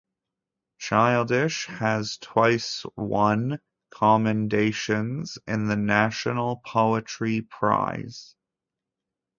Childish has twice won commendations in the National Poetry Prize.